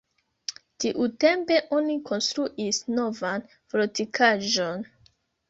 Tiutempe oni konstruis novan fortikaĵon.